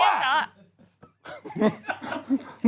น้องชั่ว